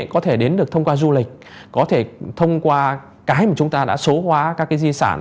có thể đến được thông qua du lịch có thể thông qua cái mà chúng ta đã số hóa các cái di sản